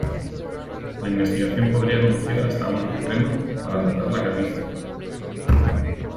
La investigación podría conducir hasta una crema para tratar la calvicie.